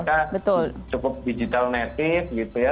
mereka cukup digital native gitu ya